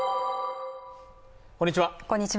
こんにちは